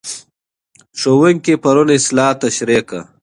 ښوونکی پرون اصلاح تشریح کړه.